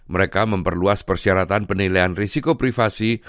mereka memperluas persyaratan penilaian risiko privasi